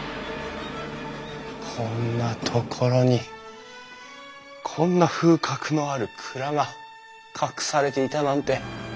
こんなところにこんな風格のある蔵が隠されていたなんて。